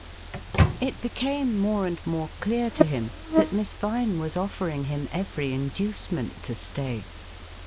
It became more and more clear to him that Miss Vine was offering him every inducement to stay.